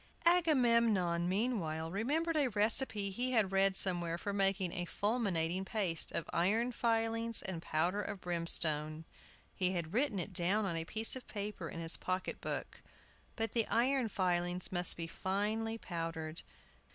Agamemnon, meanwhile, remembered a recipe he had read somewhere for making a "fulminating paste" of iron filings and powder of brimstone. He had written it down on a piece of paper in his pocket book. But the iron filings must be finely powdered.